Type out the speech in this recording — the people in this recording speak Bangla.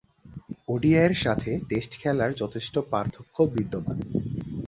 ওডিআইয়ের সাথে টেস্ট খেলার যথেষ্ট পার্থক্য বিদ্যমান।